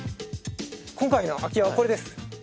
今回の空き家はこれです。